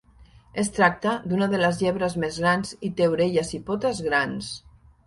Es tracta d'una de les llebres més grans i té orelles i potes grans.